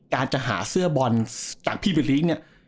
การจะหาเสื้อบอลจากพี่เบลลีกเนี่ย